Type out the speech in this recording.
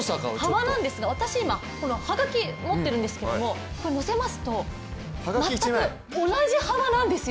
幅なんですが、私、今はがき持ってるんですがのせますと、全く同じ幅なんですよ。